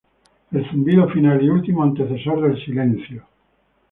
El zumbido final y último antecesor del silencio